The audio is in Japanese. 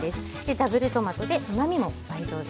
ダブルトマトでうまみも倍増です。